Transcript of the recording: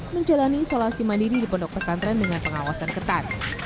menjalani isolasi mandiri di pondok pesantren dengan pengawasan ketat